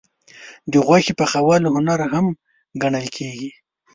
د غوښې پخول هنر هم ګڼل کېږي.